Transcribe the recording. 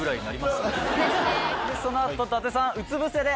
そのあと伊達さんうつ伏せで。